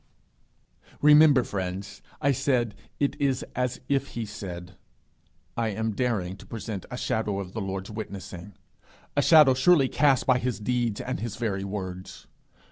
Remember, friends, I said, 'It is as if he said.' I am daring to present a shadow of the Lord's witnessing, a shadow surely cast by his deeds and his very words!